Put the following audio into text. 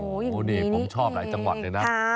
โอ้โหนี่ผมชอบหลายจังหวัดเลยนะ